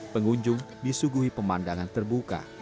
pengunjung disuguhi pemandangan terbuka